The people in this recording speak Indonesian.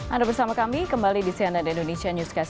anda bersama kami kembali di cnn indonesia newscast